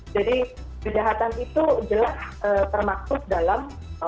jadi kejahatan itu jelas termaktub dalam